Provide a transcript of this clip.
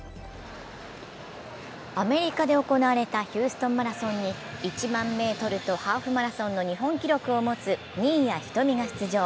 アメリカで行われたヒューストンマラソンに１００００ｍとハーフマラソンの日本記録を持つ新谷仁美が出場。